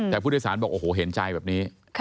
แต่ผู้โดยสารบอกโอ้โหเห็นใจแบบนี้